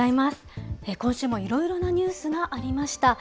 今週もいろいろなニュースがありました。